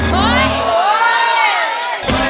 ก็ให้ได้แล้ว